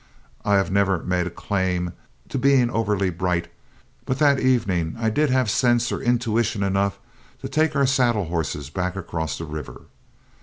I have never made claim to being overbright, but that evening I did have sense or intuition enough to take our saddle horses back across the river.